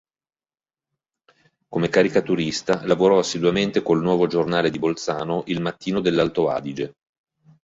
Come caricaturista lavorò assiduamente col nuovo giornale di Bolzano "Il Mattino dell'Alto Adige".